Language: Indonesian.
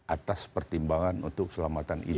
atas pertimbangan untuk keselamatan ibu